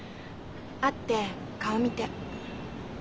会って顔見て。